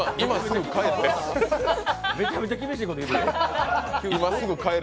めちゃくちゃ厳しいこと言うてるやん。